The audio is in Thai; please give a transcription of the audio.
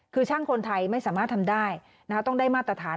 คือช่างคนไทยไม่สามารถทำได้ต้องได้มาตรฐาน